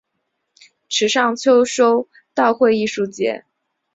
池上秋收稻穗艺术节